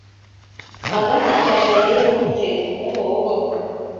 Адак иктаж айдемым кучет, моло огыл...